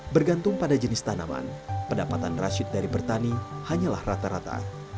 bergantung pada jenis tanaman pendapatan rashid dari bertani hanyalah rata rata